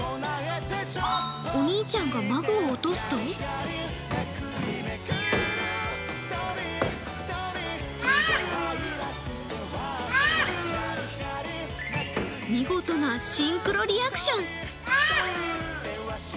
お兄ちゃんがマグを落とすと見事なシンクロリアクション。